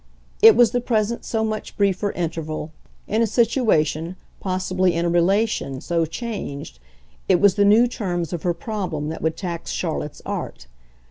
It was the present so much briefer interval, in a situation, possibly in a relation, so changed it was the new terms of her problem that would tax Charlotte's art.